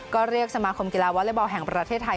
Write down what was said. ก็เรียกสมาคมกีฬาวอเล็กบอลแห่งประเทศไทย